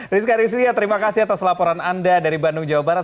rizka rizlia terima kasih atas laporan anda dari bandung jawa barat